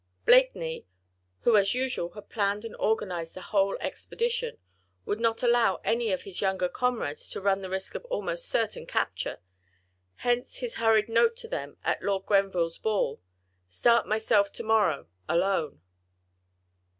Blakeney, who as usual had planned and organised the whole expedition, would not allow any of his younger comrades to run the risk of almost certain capture. Hence his hurried note to them at Lord Grenville's ball—"Start myself to morrow—alone."